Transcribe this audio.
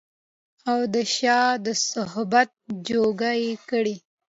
او د شاه د صحبت جوګه يې کړي